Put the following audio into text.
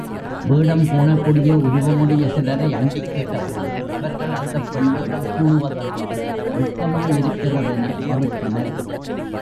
வேடம் பூணக்கூடிய உருவமுடைய சிலரை அண்டிக் கேட்டபோது, அவர்கள் அந்தப் பெண் வேடம் பூணுவதென்றால் வெட்கமாயிருக்கிறதென மறுத்தனர்.